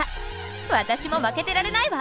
私も負けてられないわ！